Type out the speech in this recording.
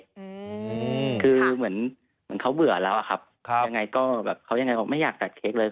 อืมคือเหมือนเหมือนเขาเบื่อแล้วอะครับครับยังไงก็แบบเขายังไงเขาไม่อยากตัดเค้กเลย